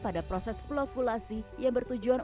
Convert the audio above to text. pada proses flokulasi yang bertujuan